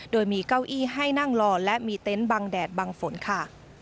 โดยมีเก้าอี้ให้นั่งรอและมีเต็นต์บังแดดบังฝนค่ะ